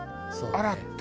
あら？って？